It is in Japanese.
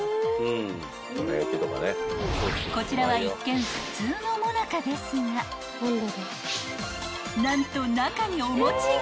［こちらは一見普通の最中ですが何と中にお餅が！